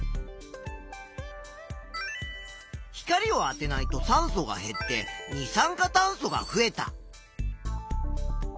光をあてないと酸素が減って二酸化炭素が増えた。